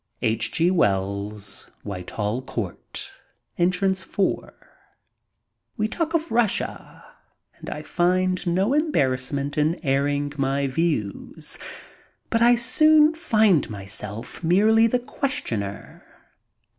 H. G. Wells. Whitehall Court, Entrance 4. We talk of Russia and I find no embarrassment in airing my views, but I soon find myself merely the questioner.